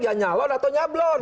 ya nyalon atau nyablon